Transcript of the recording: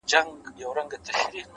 پيرې مريد دې يمه پيرې ستا پيري کومه _